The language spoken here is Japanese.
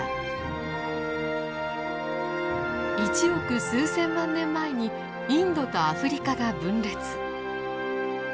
１億数千万年前にインドとアフリカが分裂。